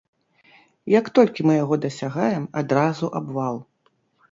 Як толькі мы яго дасягаем, адразу абвал.